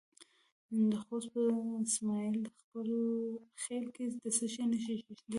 د خوست په اسماعیل خیل کې د څه شي نښې دي؟